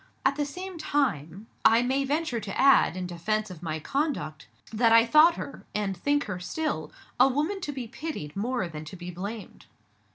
At the same time, I may venture to add, in defense of my conduct, that I thought her and think her still a woman to be pitied more than to be blamed."